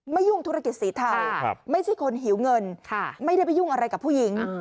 ยุ่งธุรกิจสีเทาไม่ใช่คนหิวเงินไม่ได้ไปยุ่งอะไรกับผู้หญิง